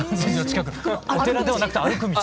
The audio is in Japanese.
お寺ではなくて歩く道。